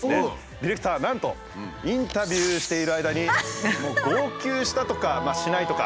ディレクターなんとインタビューしている間にもう号泣したとかしないとか。